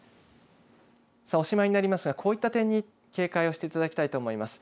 さあ、おしまいになりますがこういった点に、警戒をしていただきたいと思います。